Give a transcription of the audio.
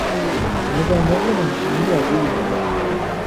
Omuzannyo guno ani yaguyiiya?